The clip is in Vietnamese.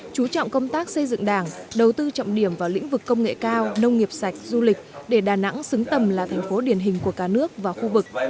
chú trọng công tác xây dựng đảng đầu tư trọng điểm vào lĩnh vực công nghệ cao nông nghiệp sạch du lịch để đà nẵng xứng tầm là thành phố điển hình của cả nước và khu vực